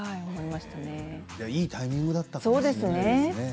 いいタイミングでしたね。